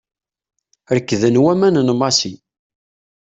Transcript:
Rekden waman n Massi.